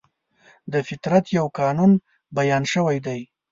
د فطرت یو قانون بیان شوی دی.